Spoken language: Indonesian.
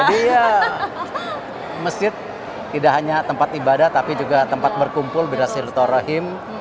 jadi ya masjid tidak hanya tempat ibadah tapi juga tempat berkumpul berhasil torahim